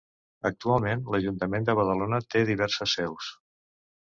Actualment l'Ajuntament de Badalona té diverses seus.